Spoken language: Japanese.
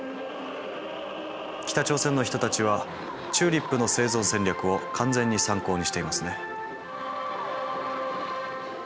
北朝鮮の人たちはチューリップの生存戦略を完全に参考にしていますね。